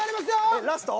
えっラスト？